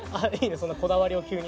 そんなこだわりを急に。